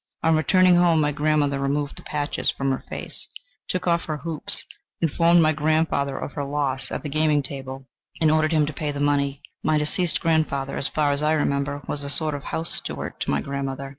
On returning home, my grandmother removed the patches from her face, took off her hoops, informed my grandfather of her loss at the gaming table, and ordered him to pay the money. My deceased grandfather, as far as I remember, was a sort of house steward to my grandmother.